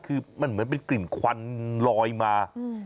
คือมันเหมือนเป็นกลิ่นควันลอยมา